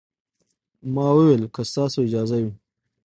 ما وويل که ستاسو اجازه وي.